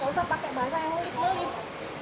kamu gak usah pakai bahasa yang nulit nulit